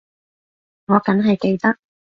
我梗係記得